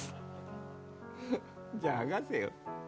じゃあ剥がせよ。